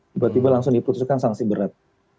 tiba tiba langsung diputuskan sanksi berat